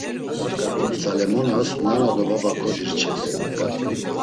Tzalemonas nana do baba kodirçes.